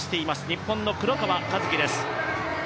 日本の黒川和樹です。